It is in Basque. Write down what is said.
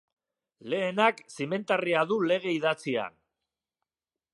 Lehenak zimentarria du lege idatzian.